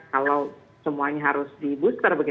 kalau semuanya harus di booster